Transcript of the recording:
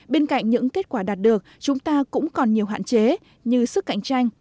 bên cạnh những kết quả đạt được chúng ta cũng còn nhiều hạn chế như sức cạnh tranh